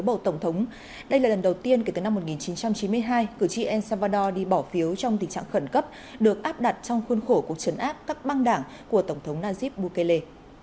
bầu tổng thống đây là lần đầu tiên kể từ năm một nghìn chín trăm chín mươi hai cử tri el salvador đi bỏ phiếu trong tình trạng khẩn cấp được áp đặt trong khuôn khổ của trấn áp các băng đảng của tổng thống nayib bukele